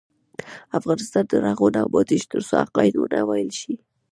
افغانستان تر هغو نه ابادیږي، ترڅو حقایق ونه ویل شي.